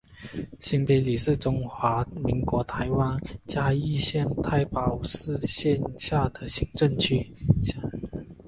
新埤里是中华民国台湾嘉义县太保市辖下的行政区。